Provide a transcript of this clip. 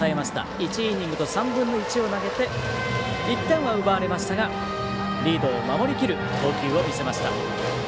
１イニングと３分の１を投げて１点は奪われましたがリードを守りきる投球を見せました。